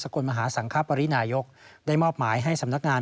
กลมหาสังคปรินายกได้มอบหมายให้สำนักงาน